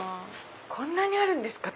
こんなにあるんですか